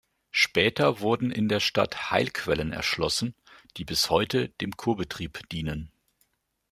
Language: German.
Später wurden in der Stadt Heilquellen erschlossen, die bis heute dem Kurbetrieb dienen.